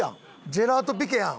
ジェラートピケやん。